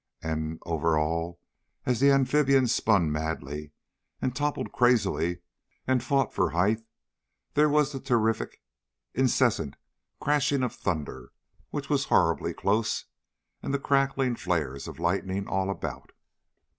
And over all, as the amphibian spun madly, and toppled crazily and fought for height, there was the terrific, incessant crashing of thunder which was horribly close, and the crackling flares of lightning all about.